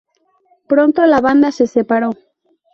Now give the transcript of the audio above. Pronto, la banda se separó.